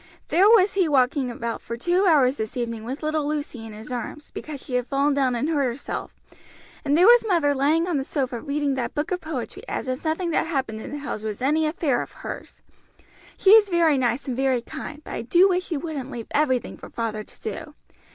There was he walking about for two hours this evening with little Lucy in his arms, because she had fallen down and hurt herself; and there was mother lying on the sofa reading that book of poetry, as if nothing that happened in the house was any affair of hers. She is very nice and very kind, but I do wish she wouldn't leave everything for father to do.